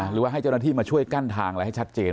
หรือว่าให้เจ้าหน้าที่มาช่วยกั้นทางอะไรให้ชัดเจน